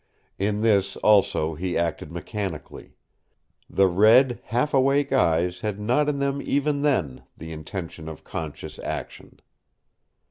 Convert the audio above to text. In this also he acted mechanically; the red, half awake eyes had not in them even then the intention of conscious action.